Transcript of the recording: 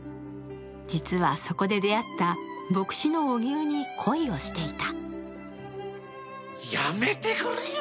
実は、そこで出会った牧師の荻生に恋をしていた。